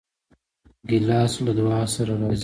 ګیلاس له دعا سره راځي.